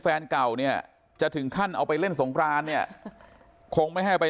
แฟนเก่าเนี่ยจะถึงขั้นเอาไปเล่นสงครานเนี่ยคงไม่ให้ไป